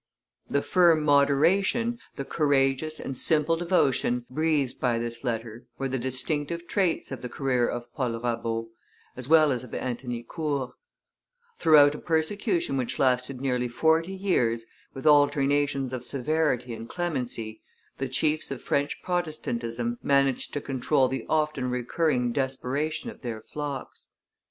The firm moderation, the courageous and simple devotion, breathed by this letter, were the distinctive traits of the career of Paul Rabaut, as well as of Antony Court; throughout a persecution which lasted nearly forty years, with alternations of severity and clemency, the chiefs of French Protestantism managed to control the often recurring desperation of their flocks.